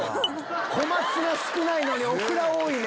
小松菜少ないのにオクラ多いね。